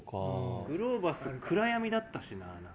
グローバス暗闇だったしな。